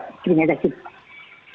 terima kasih pak